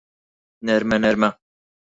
نەرمە نەرمە